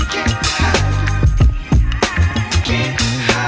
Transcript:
kayaknyalling poo poo tuh yaudah